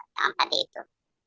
dalam hati itu